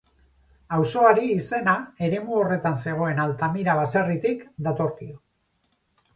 Auzoari izena eremu horretan zegoen Altamira baserritik datorkio.